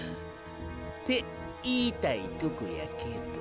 て言いたいとこやけど。